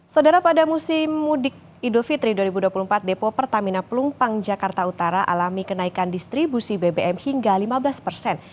saudara pada musim mudik idul fitri dua ribu dua puluh empat depo pertamina pelumpang jakarta utara alami kenaikan distribusi bbm hingga lima belas persen